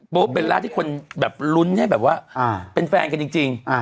เบลล่าที่คนแบบลุ้นให้แบบว่าเป็นแฟนกันจริง